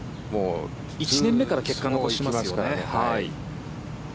１年目から結果を残しますからね。